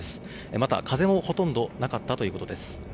また、風もほとんどなかったということです。